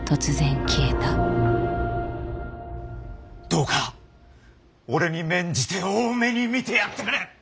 どうか俺に免じて大目に見てやってくれ。